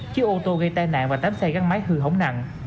chiếc ô tô gây tai nạn và tám xe găng máy hư hổng nặng